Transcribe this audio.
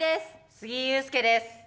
杉井勇介です。